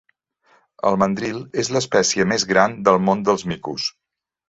El mandril és l'espècie més gran del món dels micos.